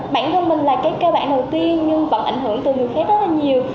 bản thân mình là cái cơ bản đầu tiên nhưng vẫn ảnh hưởng từ người khác rất là nhiều